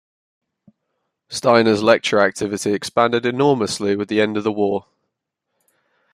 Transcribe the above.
Steiner's lecture activity expanded enormously with the end of the war.